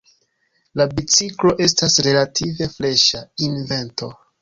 La biciklo estas relative freŝa invento.